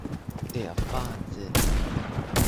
Der Wahnsinn!